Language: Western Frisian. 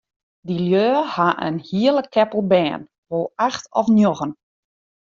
Dy lju ha in hiele keppel bern, wol acht of njoggen.